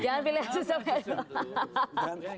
jangan pilihan sistemnya dulu